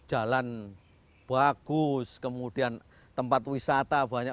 terlalu tambang ke benek naik untuk menembak perubatannya